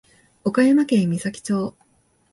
岡山県美咲町